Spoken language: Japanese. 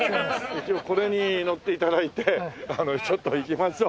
これに乗って頂いてちょっと行きましょう。